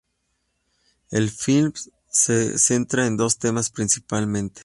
El film se centra en dos temas principalmente.